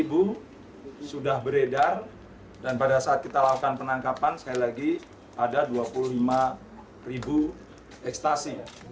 yang dua puluh lima sudah beredar dan pada saat kita lakukan penangkapan sekali lagi ada dua puluh lima ekstasi